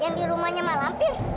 yang di rumahnya mak lampir